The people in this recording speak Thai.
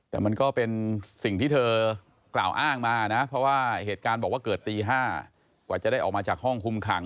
แต่มันก็เป็นสิ่งที่เธอกล่าวอ้างมานะเพราะว่าเหตุการณ์บอกว่าเกิดตี๕กว่าจะได้ออกมาจากห้องคุมขัง